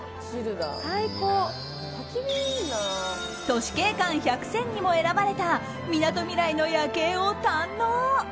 都市景観１００選にも選ばれたみなとみらいの夜景を堪能。